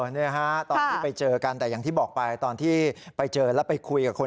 เมื่อไปเจอกันตอนที่ไปเจอแล้วไปคุยกับคน